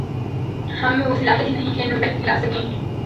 ہم میں وہ صلاحیت ہی نہیں کہ ان میں بہتری لا سکیں۔